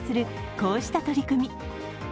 こうした取り組み。